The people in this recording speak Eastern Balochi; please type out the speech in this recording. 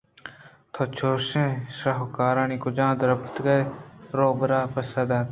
تو چُشیں شاہوکاری کُجا دربُرتگ؟ رُوباہ ءَ پسّہ دات